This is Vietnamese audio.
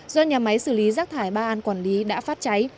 do nhà máy xử lý rác thải ba an quản lý đã phát cháy